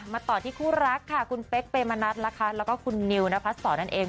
มาต่อที่คู่รักค่ะคุณเป๊กไปมานัดแล้วก็คุณนิวพัดศรนั่นเอง